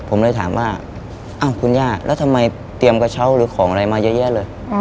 ผมเลยถามว่าอ้าวคุณย่าแล้วทำไมเตรียมกระเช้าหรือของอะไรมาเยอะแยะเลย